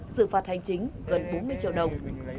xử phạt hành chính gần bốn mươi triệu đồng